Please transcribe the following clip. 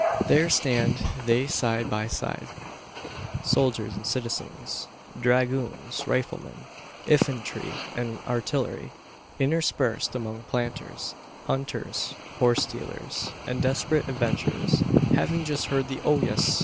There stand they side by side soldiers and citizens dragoons, riflemen, infantry, and artillery, interspersed among planters, hunters, horse dealers, and desperate adventurers, having just heard the "Oyez!"